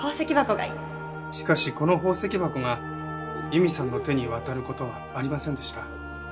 しかしこの宝石箱が佑美さんの手に渡る事はありませんでした。